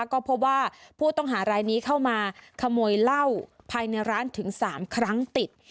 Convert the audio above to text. ก็พบว่าผู้ต้องหารายนี้เข้ามาขโมยเหล้าภายในร้านถึง๓ครั้งติด